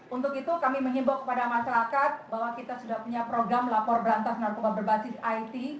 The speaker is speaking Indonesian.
untuk itu kami mengimbau kepada masyarakat bahwa kita sudah punya program lapor berantas narkoba berbasis it